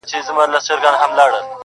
ورسره به وي د ګور په تاریکو کي-